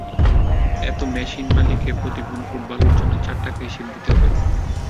এতে মেশিন মালিককে প্রতি ঘনফুট বালুর জন্য চার টাকা হিসেবে দিতে হবে।